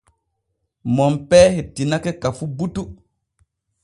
Monpee hettinake ka fu butu.